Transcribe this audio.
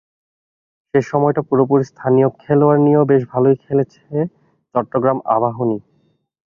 শেষ সময়টা পুরোপুরি স্থানীয় খেলোয়াড় নিয়েও বেশ ভালোই খেলেছে চট্টগ্রাম আবাহনী।